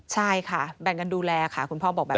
ใช่ค่ะแบ่งกันดูแลค่ะคุณพ่อบอกแบบนี้